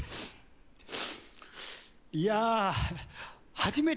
いや。